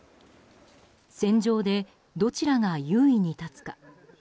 戦場でどちらが優位に立つか。